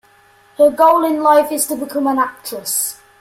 Her goal in life is to become an actress.